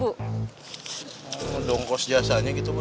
oh dong kos jasanya gitu bang